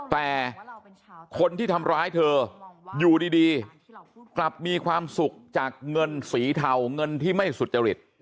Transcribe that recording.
แต่คนที่ทำร้ายเธออยู่ดีกลับมีความสุขจากเงินสีเทาเงินที่ไม่สุจริต